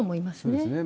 そうですね。